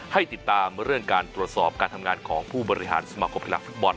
ให้ติดตามเรื่องการตรวจสอบการทำงานของผู้บริหารสมาคมกีฬาฟุตบอล